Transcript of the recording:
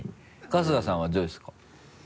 春日さんはどうですか？